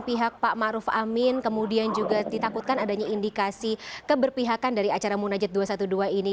pihak pak maruf amin kemudian juga ditakutkan adanya indikasi keberpihakan dari acara munajat dua ratus dua belas ini